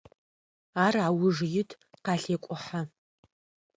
Ар ауж ит, къалъекӏухьэ.